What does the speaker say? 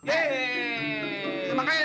eee yang jelek